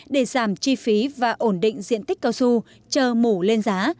để giảm chi phí và ổn định diện tích cao su chờ mổ lên giá